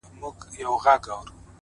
• ما د خضر پر چینه مړي لیدلي ,